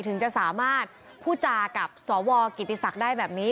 ถึงจะสามารถพูดจากับสวกิติศักดิ์ได้แบบนี้